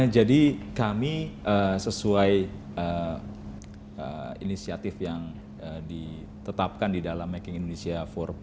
jadi kami sesuai inisiatif yang ditetapkan di dalam making indonesia empat